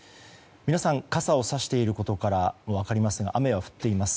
皆さん、傘をさしていることからもわかりますが雨は降っています。